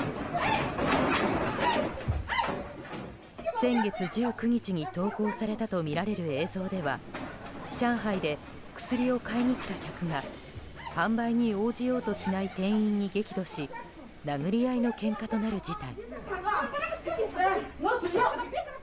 先月１９日に投稿されたとみられる映像では上海で薬を買いに来た客が販売に応じようとしない店員に激怒し殴り合いのけんかとなる事態。